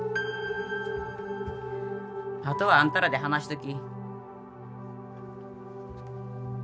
あとはあんたらで話しとき。